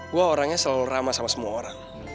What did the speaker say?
gue orangnya selalu ramah sama semua orang